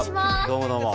どうもどうも。